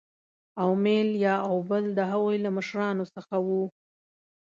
اومیل یا اوبل د هغوی له مشرانو څخه وو.